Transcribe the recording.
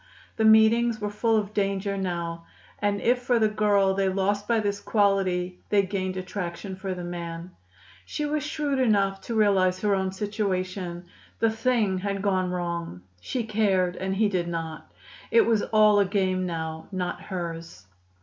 The meetings were full of danger now; and if for the girl they lost by this quality, they gained attraction for the man. She was shrewd enough to realize her own situation. The thing had gone wrong. She cared, and he did not. It was all a game now, not hers.